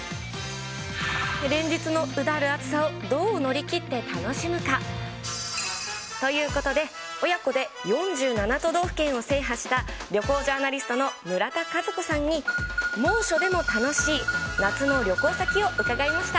連日のうだる暑さをどう乗り切って楽しむか。ということで、親子で４７都道府県を制覇した旅行ジャーナリストの村田和子さんに、猛暑でも楽しい、夏の旅行先を伺いました。